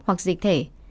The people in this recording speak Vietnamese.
hoặc dịch thể